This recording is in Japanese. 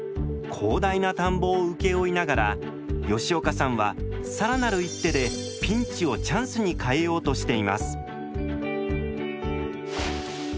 広大な田んぼを請け負いながら吉岡さんは更なる一手でピンチをチャンスに変えようとしています。